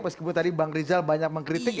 meskipun tadi bang rizal banyak mengkritik